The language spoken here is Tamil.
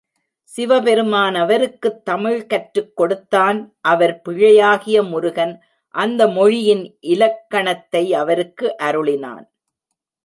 சிவபெருமான் அவருக்குத் தமிழ் கற்றுக் கொடுத்தான் அவர் பிள்ளையாகிய முருகன் அந்த மொழியின் இல்க்கணத்தை அவருக்கு அருளினான்.